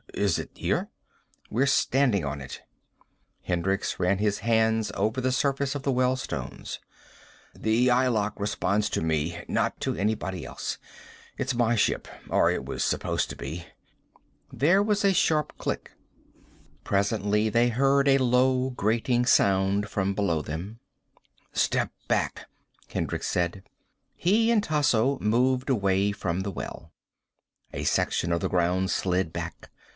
Is it here?" "We're standing on it." Hendricks ran his hands over the surface of the well stones. "The eye lock responds to me, not to anybody else. It's my ship. Or it was supposed to be." There was a sharp click. Presently they heard a low grating sound from below them. "Step back," Hendricks said. He and Tasso moved away from the well. A section of the ground slid back.